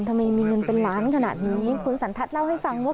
ทำไมมีเงินเป็นล้านขนาดนี้คุณสันทัศน์เล่าให้ฟังว่า